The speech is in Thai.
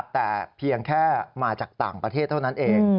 แต่เพียงแค่มาจากต่างประเทศเท่านั้นเอง